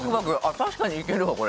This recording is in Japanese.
確かにいけるわこれ。